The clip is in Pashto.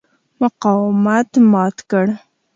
مقاومت مات کړ.